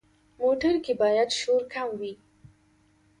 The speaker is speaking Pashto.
موټر کې باید شور کم وي.